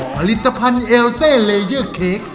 ผลิตภัณฑ์เอลเซเลเยอร์เค้ก